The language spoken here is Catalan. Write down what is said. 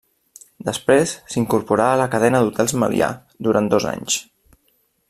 Després s’incorporà a la cadena d’hotels Melià, durant dos anys.